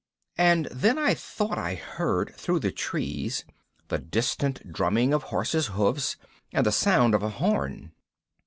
_ And then I thought I heard, through the trees, the distant drumming of horses' hoofs and the sound of a horn.